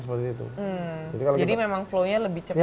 jadi memang flow nya lebih cepat gitu ya